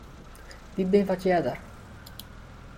Wy binne wat earder.